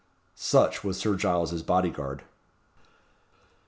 Such was Sir Giles's body guard.